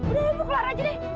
udah ibu keluar aja deh